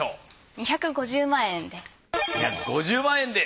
２５０万円で。